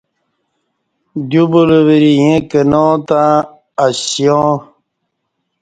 دیو بلہ ورے ییں کنا تہ اسیاں